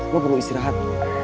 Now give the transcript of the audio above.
lo perlu istirahat